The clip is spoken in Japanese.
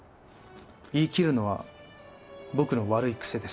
言いきるのは僕の悪い癖です。